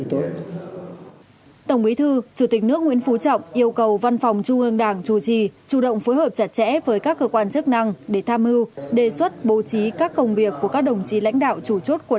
tổng bí thư chủ tịch nước nguyễn phú trọng yêu cầu văn phòng trung ương đảng chủ trì chủ động phối hợp chặt chẽ với các cơ quan chức năng để tham mưu đề xuất bố trí các công việc của các đồng chí lãnh đạo chủ chốt